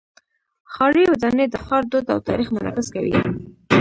ښاري ودانۍ د ښار دود او تاریخ منعکس کوي.